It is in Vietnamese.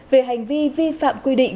về hành vi vi phạm quy định